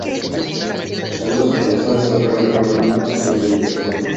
Sus audaces payasadas teatrales ganaron una reputación de "indignación".